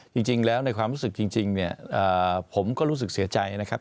จริงแล้วในความรู้สึกจริงเนี่ยผมก็รู้สึกเสียใจนะครับ